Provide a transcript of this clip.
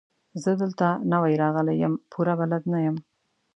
زه دلته نوی راغلی يم، پوره بلد نه يم.